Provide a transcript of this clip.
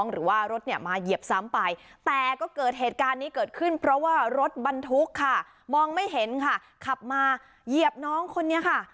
รถบรรทุกค่ะมองไม่เห็นค่ะขับมาเหยียบน้องคนนี้ค่ะ